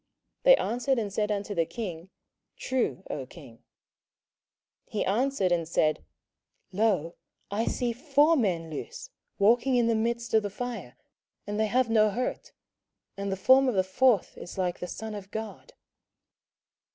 They answered and said unto the king, True, O king. 27:003:025 He answered and said, Lo, I see four men loose, walking in the midst of the fire, and they have no hurt; and the form of the fourth is like the Son of God.